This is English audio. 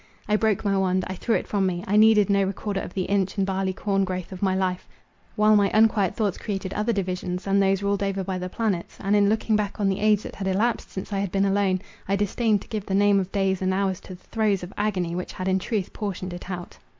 I broke my wand; I threw it from me. I needed no recorder of the inch and barley corn growth of my life, while my unquiet thoughts created other divisions, than those ruled over by the planets—and, in looking back on the age that had elapsed since I had been alone, I disdained to give the name of days and hours to the throes of agony which had in truth portioned it out.